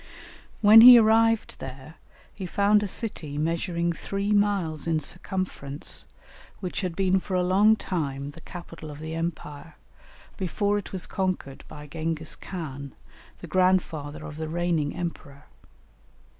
When he arrived there, he found a city measuring three miles in circumference, which had been for a long time the capital of the Empire, before it was conquered by Gengis Khan, the grandfather of the reigning emperor.